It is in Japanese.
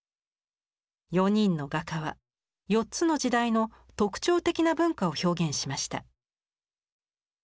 ４人の画家は４つの時代の特徴的な文化を表現しました。